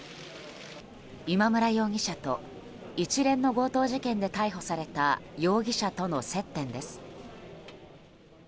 今村容疑者と一連の強盗事件で逮捕された容疑者との接点です。